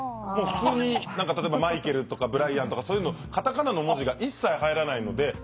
もう普通に何か例えばマイケルとかブライアンとかそういうのカタカナの文字が一切入らないので。